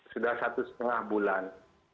sudah satu setengah bulan